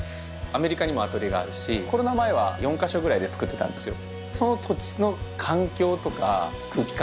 アメリカにもアトリエがあるしコロナ前は４か所ぐらいで作ってたんですよ。